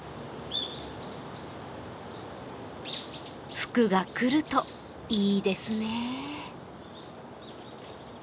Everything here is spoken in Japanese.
福が来るといいですね。